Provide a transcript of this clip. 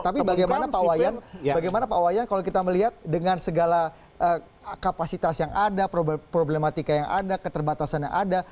tapi bagaimana pak wayan bagaimana pak wayan kalau kita melihat dengan segala kapasitas yang ada problematika yang ada keterbatasan yang ada